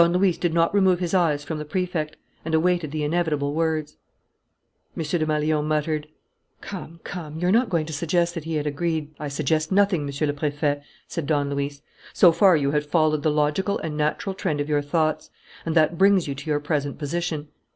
Don Luis did not remove his eyes from the Prefect, and awaited the inevitable words. M. Desmalions muttered: "Come, come, you are not going to suggest that he had agreed " "I suggest nothing, Monsieur le Préfet," said Don Luis. "So far, you have followed the logical and natural trend of your thoughts; and that brings you to your present position."